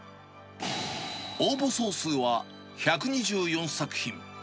応募総数は１２４作品。